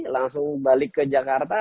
langsung balik ke jakarta